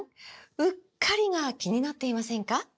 “うっかり”が気になっていませんか？